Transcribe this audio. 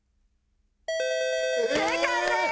正解です！